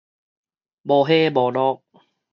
無下無落